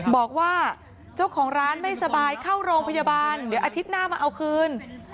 บอกว่าเจ้าของร้านไม่สบายเข้าโรงพยาบาลเดี๋ยวอาทิตย์หน้ามาเอาคืน